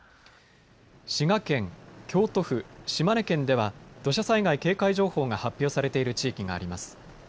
滋賀県、京都府、島根県では土砂災害警戒情報が発表されている地域があります。